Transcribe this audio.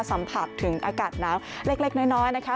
สัมผัสถึงอากาศหนาวเล็กน้อยนะคะ